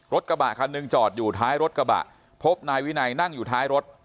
กระบะคันหนึ่งจอดอยู่ท้ายรถกระบะพบนายวินัยนั่งอยู่ท้ายรถ